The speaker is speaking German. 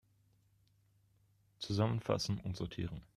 Zusammenfassen und sortieren!